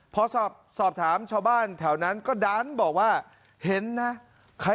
พอสอบถามชาวบ้านแถวนั้นก็ดันบอกว่าเห็นนะ